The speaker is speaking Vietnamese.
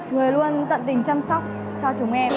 người luôn tận tình chăm sóc cho chúng em